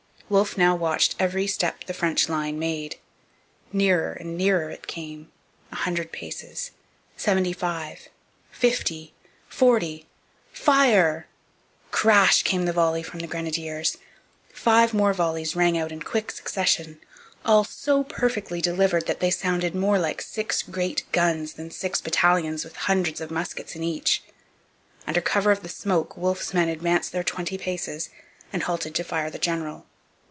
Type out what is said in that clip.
Wolfe now watched every step the French line made. Nearer and nearer it came. A hundred paces! seventy five! fifty! forty!! Fire!!! Crash! came the volley from the grenadiers. Five volleys more rang out in quick succession, all so perfectly delivered that they sounded more like six great guns than six battalions with hundreds of muskets in each. Under cover of the smoke Wolfe's men advanced their twenty paces and halted to fire the 'general.'